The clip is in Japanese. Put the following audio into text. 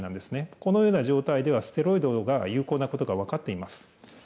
このように状態ではステロイドが有効なことが分かっています。